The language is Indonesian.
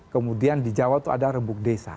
kemudian di jawa itu ada rembuk desa